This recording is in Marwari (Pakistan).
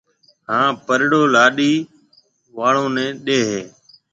ھان پڏڙو لاڏِي آݪو نيَ ڏيَ ھيََََ